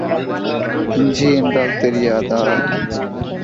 இஞ்சி என்றால் தெரியாதா?